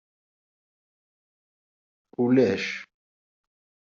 Anda ay zedɣent aseggas yezrin?